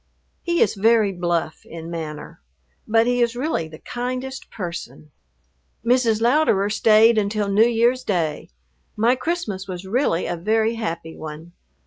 He is very bluff in manner, but he is really the kindest person. Mrs. Louderer stayed until New Year's day. My Christmas was really a very happy one.